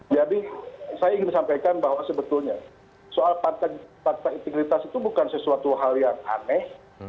jadi saya ingin sampaikan bahwa sebetulnya soal partai integritas itu bukan sesuatu hal yang aneh